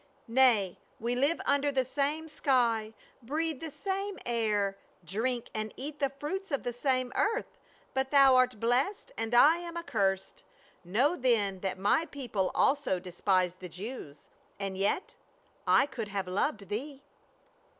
" Nay, we live under the same sky, breathe the same air, drink and eat the fruits of the same earth, but thou art blessed and I am accursed. Know then that my people also despise the Jews, and yet — I could have loved thee."